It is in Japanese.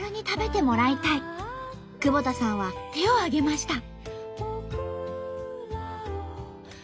久保田さんは手を挙げました。